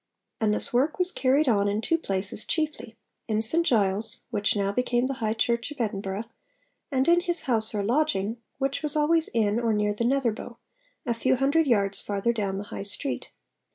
And this work was carried on in two places chiefly; in St Giles, which now became the High Church of Edinburgh, and in his house or lodging, which was always in or near the Netherbow, a few hundred yards farther down the High Street.